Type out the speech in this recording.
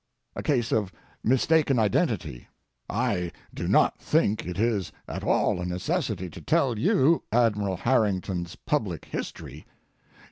A case of mistaken identity. I do not think it is at all a necessity to tell you Admiral Harrington's public history.